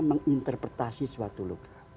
menginterpretasi suatu luka